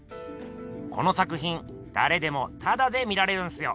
この作品だれでもタダで見られるんすよ。